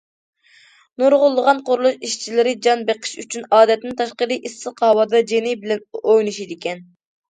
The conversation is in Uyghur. نۇرغۇنلىغان قۇرۇلۇش ئىشچىلىرى جان بېقىش ئۈچۈن ئادەتتىن تاشقىرى ئىسسىق ھاۋادا جېنى بىلەن ئوينىشىدىكەن.